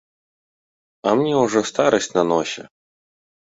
А мне ўжо старасць на носе.